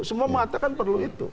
semua mata kan perlu itu